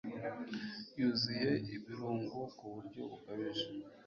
yuzuye ibirungo ku buryo bukabije,